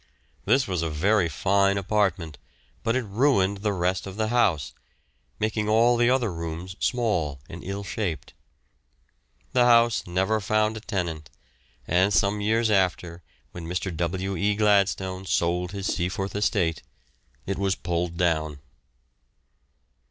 This was a very fine apartment, but it ruined the rest of the house, making all the other rooms small and ill shaped. The house never found a tenant, and some years after, when Mr. W. E. Gladstone sold his Seaforth estate, it was pulled down.